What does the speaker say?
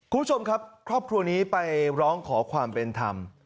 คุณผู้ชมครับครอบครัวนี้ไปร้องขอความเป็นธรรม